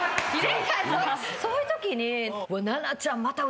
そういうときに。